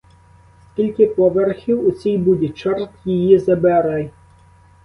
Скільки поверхів у цій буді, чорт її забирай?